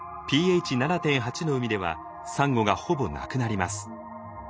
ｐＨ７．８の海ではサンゴがほぼなくなります。